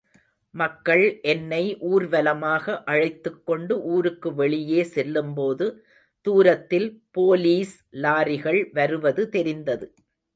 மக்கள் என்னை ஊர்வலமாக அழைத்துக் கொண்டு ஊருக்கு வெளியே செல்லும்போது தூரத்தில் போலீஸ் லாரிகள் வருவது தெரிந்தது.